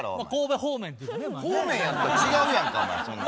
方面やったら違うやんかお前そんな。